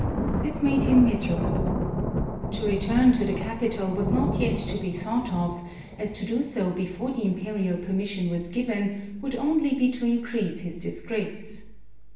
This made him miserable. To return to the capital was not yet to be thought of, as to do so before the imperial permission was given, would only be to increase his disgrace.